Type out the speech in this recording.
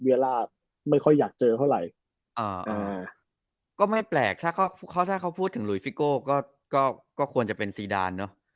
ล่าไม่ค่อยอยากเจอเท่าไหร่ก็ไม่แปลกถ้าเขาถ้าเขาพูดถึงลุยฟิโก้ก็ก็ควรจะเป็นซีดานเนอะ